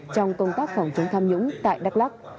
trong công tác phòng chống tham nhũng tại đắk lắc